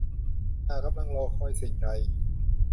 หากกำลังรอคอยสิ่งใด